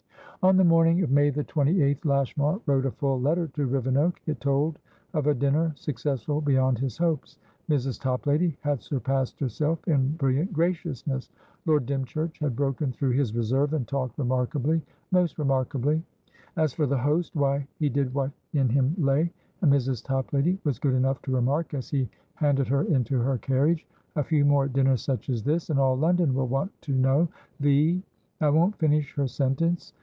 On the morning of May the 28th, Lashmar wrote a full letter to Rivenoak. It told of a dinner successful beyond his hopes. Mrs. Toplady had surpassed herself in brilliant graciousness; Lord Dymchurch had broken through his reserve, and talked remarkablymost remarkably. "As for the host, why, he did what in him lay, and Mrs. Toplady was good enough to remark, as he handed her into her carriage, 'A few more dinners such as this, and all London will want to know the' I won't finish her sentence.